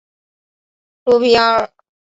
卢皮阿克。